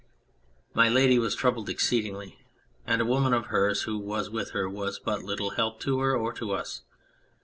My Lady was troubled exceedingly, and a woman of hers who was with her was but little help to her or to us.